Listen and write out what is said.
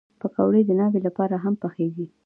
پکورې د ناوې لپاره هم پخېږي